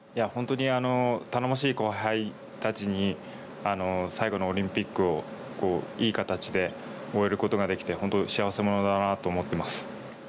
本当に頼もしい後輩たちに、最後のオリンピックを、いい形で終えることができて、本当、幸せ者だなと思っています。